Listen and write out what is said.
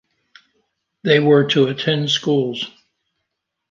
They were to attend schools.